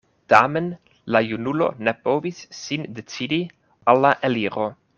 Tamen la junulo ne povis sin decidi al la eliro.